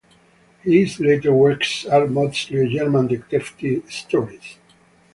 His later works are mostly German detective stories.